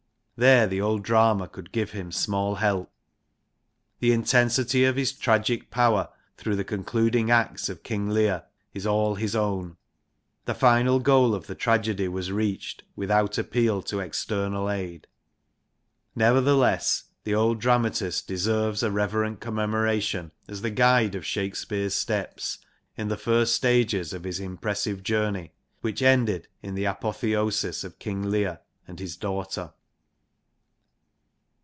There the old drama could give him small help. The intensity of his tragic power through the concluding acts of King Lear is all his own. The final goal of the tragedy was reached without appeal to external aid. Nevertheless the old dramatist deserves a reverent commemoration as the guide of Shakespeare's steps in the first stages of his impressive journey, which ended in the apotheosis of King Lear and his daughter.